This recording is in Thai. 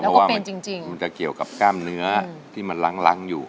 เพราะว่ามันจะเกี่ยวกับกล้ามเนื้อที่มันล้างอยู่